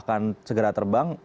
dan segera terbang